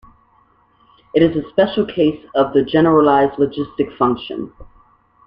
It is a special case of the generalised logistic function.